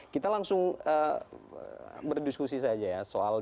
kita langsung berdiskusi saja ya soal dinamika yang terjadi di tkn